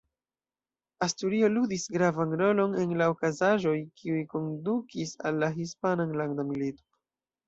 Asturio ludis gravan rolon en la okazaĵoj, kiuj kondukis al la Hispana Enlanda Milito.